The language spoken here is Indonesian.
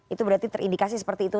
itu berarti terindikasi seperti itu